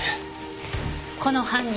この犯人